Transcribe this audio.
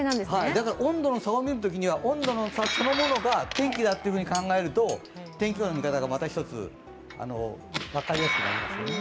温度の差を見るときには温度の差そのものが天気だと考えると天気予報の見方がまた一つ、分かりやすくなりますよね。